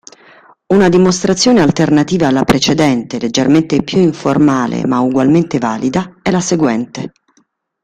Una dimostrazione alternativa alla precedente, leggermente più informale, ma ugualmente valida, è la seguente.